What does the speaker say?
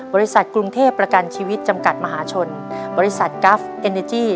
บริษัทกรุงเทพประกันชีวิตจำกัดมหาชนบริษัทกราฟเอ็นเนจี้